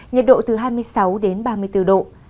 nhiệt độ từ hai mươi sáu đến ba mươi bốn độ